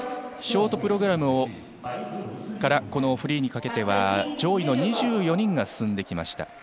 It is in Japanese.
ショートプログラムからフリーにかけては上位の２４人が進んできました。